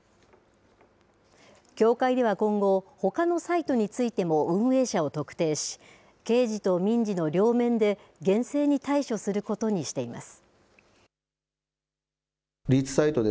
協会では今後ほかのサイトについても運営者を特定し刑事と民事の両面で厳正に対処することにしています。